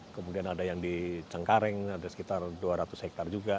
kemudian ada yang di cengkareng ada sekitar dua ratus hektare juga